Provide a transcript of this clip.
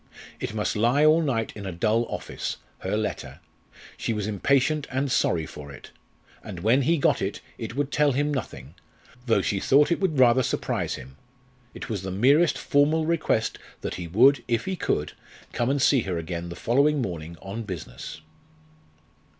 It must lie all night in a dull office her letter; she was impatient and sorry for it. And when he got it, it would tell him nothing, though she thought it would rather surprise him. It was the merest formal request that he would, if he could, come and see her again the following morning on business.